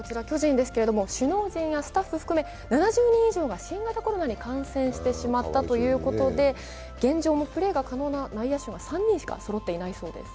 首脳陣やスタッフ含め７０人以上が新型コロナに感染してしまったということで、現状もプレーが可能な内野手が３人しかそろっていないそうです。